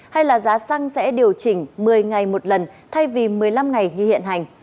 hay là giá xăng sẽ điều chỉnh một mươi ngày một lần thay vì một mươi năm ngày như hiện hành